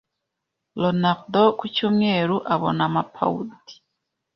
Ronaldo ku cyumweru abona amapawundi